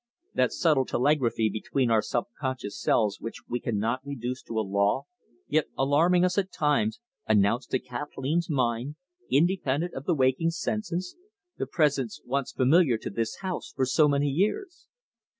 That subtle telegraphy between our subconscious selves which we cannot reduce to a law, yet alarming us at times, announced to Kathleen's mind, independent of the waking senses, the presence once familiar to this house for so many years.